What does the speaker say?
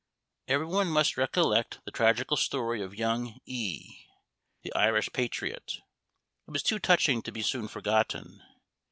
Every one must recollect the tragical story of young E , the Irish patriot; it was too touching to be soon forgotten.